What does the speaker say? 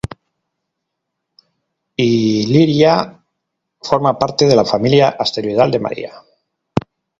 Illyria forma parte de la familia asteroidal de María.